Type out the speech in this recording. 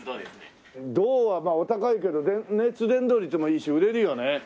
銅はお高いけど熱伝導率もいいし売れるよね。